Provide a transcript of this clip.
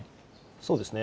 そうですね。